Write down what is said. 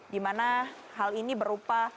dimana hal ini berupa